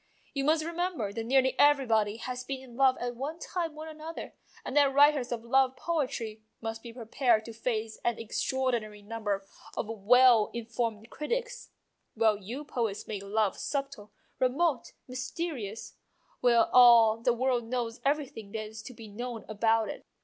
You must remember that nearly everybody has been in love at one time or another, and that writers of love poetry must be prepared to face an extraordinary number of well in formed critics. Well, you poets make love subtle, remote, mysterious, while all the world knows everything that is to be known about it.